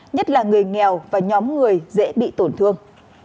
nhất là người nghèo và nhóm người dễ bị tổn thương